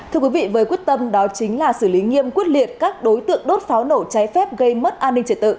thưa quý vị với quyết tâm đó chính là xử lý nghiêm quyết liệt các đối tượng đốt pháo nổ cháy phép gây mất an ninh trật tự